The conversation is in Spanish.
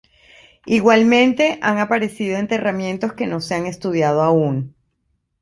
Igualmente han aparecido enterramientos que no se han estudiado aún.